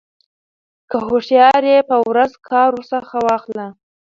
كه هوښيار يې په ورځ كار ورڅخه واخله